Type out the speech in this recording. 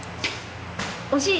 惜しい！